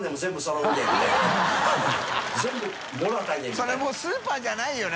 それもうスーパーじゃないよな。